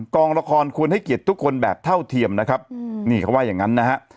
กองละครควรให้เกียรติทุกคนแบบเท่าเทียมนะครับนี่เขาว่าอย่างงั้นนะฮะ